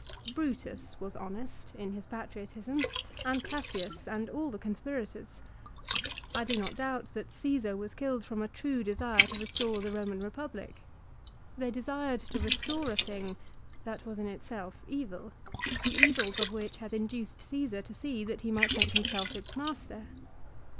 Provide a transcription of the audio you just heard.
Brutus was honest in his patriotism, and Cassius, and all the conspirators. I do not doubt that Caesar was killed from a true desire to restore the Roman Eepublic. They desired to restore a thing that was in itself evil, the evils of which had induced Caesar to see that he might make himself its master.